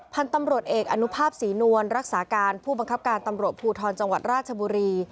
พันธุ์ตำรวจเอกอนุภาพศรีนวลรักษาการผู้บังคับการตำรวจภูทรจังหวัดราชบุรี